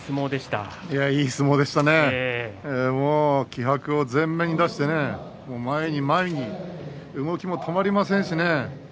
気迫を前面に出して前に前に動きも止まりませんしね。